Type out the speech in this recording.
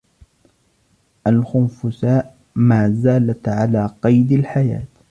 الخنفساء ما زالت على قيد الحياة.